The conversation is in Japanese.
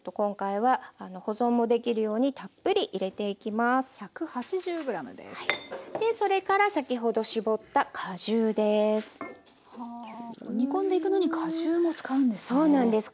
はあ煮込んでいくのに果汁も使うんですね。